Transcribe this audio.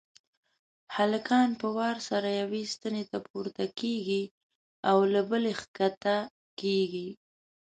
هلکان په وار سره یوې ستنې ته پورته کېږي او له بلې کښته کېږي.